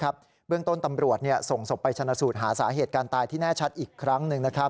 เบื้องต้นตำรวจส่งศพไปชนะสูตรหาสาเหตุการตายที่แน่ชัดอีกครั้งหนึ่ง